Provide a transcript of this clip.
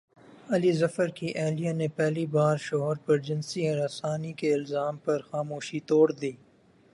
علی ظفر کی اہلیہ نے پہلی بار شوہر پرجنسی ہراسانی کے الزام پر خاموشی توڑ دی